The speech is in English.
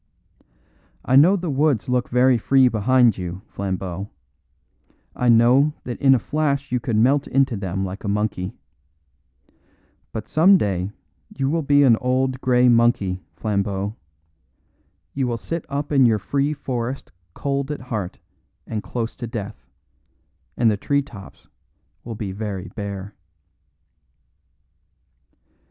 I know the woods look very free behind you, Flambeau; I know that in a flash you could melt into them like a monkey. But some day you will be an old grey monkey, Flambeau. You will sit up in your free forest cold at heart and close to death, and the tree tops will be very bare."